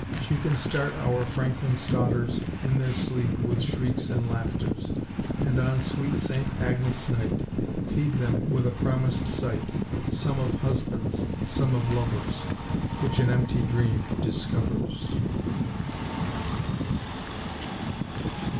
She can start our franklin's daughters, In their sleep, with shrieks and laughters, And on sweet St. Agnes' night Feed them with a promised sight, Some of husbands, some of lovers, Which an empty dream discovers."